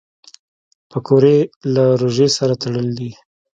پکورې له روژې سره تړلي دي